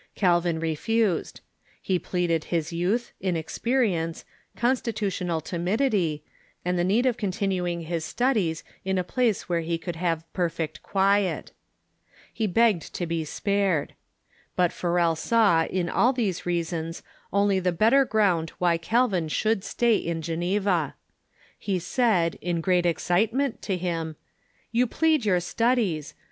Calvin refused. He pleaded his youth, inexperience, constitutional Calvin and Farel '■..^.,*^^, i /^• i • x t timidity, and the need oi continuing his studies in a place where he could have perfect quiet. He begged to FBENCH SWITZERLAND 241 be spared. But Farol saw in all these reasons only tlie bet ter ground wliy Calvin should stay in Geneva. He said, in great excitement, to him: "You plead your studies.